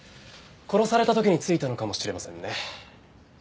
殺された時に付いたのかもしれませんね。